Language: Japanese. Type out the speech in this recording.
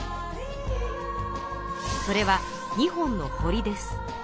それは２本の堀です。